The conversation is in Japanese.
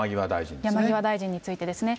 山際大臣についてですね。